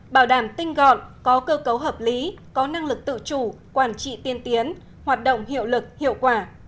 bảo đảm tinh gọn có cơ cấu hợp lý có năng lực tự chủ quản trị tiên tiến hoạt động hiệu lực hiệu quả